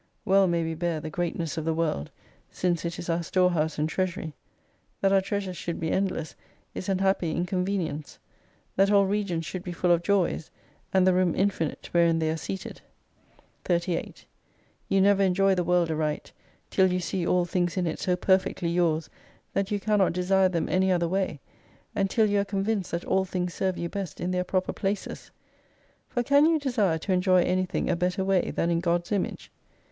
"Well may we bear the greatness of the World, since it is our storehouse and treasury. That our treasures should be endless is an happy incon venience : that all regions should be full of Joys : and the room infinite wherein they are seated. 38 You never enjoy the World aright, till you see all things in it so perfectly yours, that you cannot desire them any other way : and till you are convinced that all things serve you best in their proper places. For can you desire to enjoy anything a better way than in God's Image